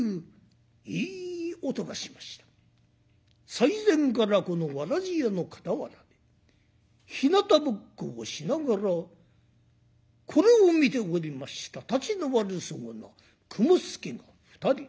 最前からこのわらじ屋の傍らでひなたぼっこをしながらこれを見ておりましたたちの悪そうな雲助が二人。